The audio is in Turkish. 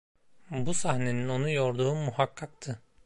Bu sahnenin onu yorduğu muhakkaktı.